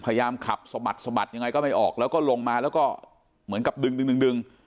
พยายามขับสะบัดสะบัดยังไงก็ไม่ออกแล้วก็ลงมาแล้วก็เหมือนกับดึงดึง